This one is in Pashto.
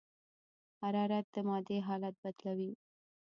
حرارت د مادې حالت بدلوي.